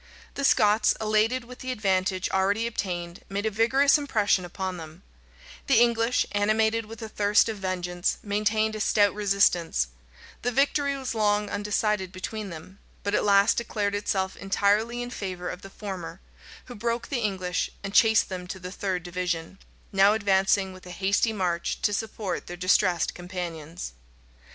The Scots, elated with the advantage already obtained made a vigorous impression upon them: the English, animated with a thirst of vengeance, maintained a stout resistance: the victory was long undecided between them; but at last declared itself entirely in favor of the former, who broke the English, and chased them to the third division, now advancing with a hasty march to support their distressed companions.